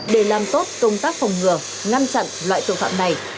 để làm tốt công tác phòng ngừa ngăn chặn loại tội phạm này